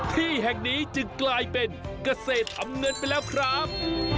ที่แห่งนี้จึงกลายเป็นเกษตรทำเงินไปแล้วครับ